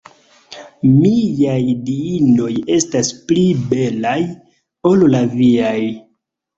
Miaj Diinoj estas pli belaj ol la viaj.